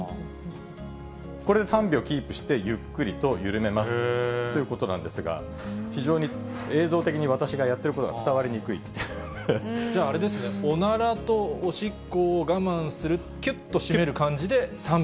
これ３秒キープして、ゆっくりと緩めますということなんですが、非常に映像的に、私がやってるこじゃあ、あれですね、おならとおしっこを我慢する、きゅっと締める感じで３秒。